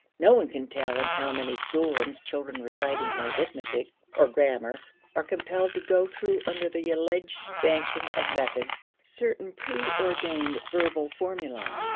No one can tell in how many schoolrooms children reciting in arithmetic or grammar are compelled to go through, under the alleged sanction of method, certain preordained verbal formulae.